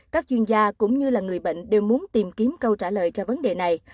các chuyên gia cũng như là người bệnh đều muốn tìm kiếm câu trả lời cho vấn đề này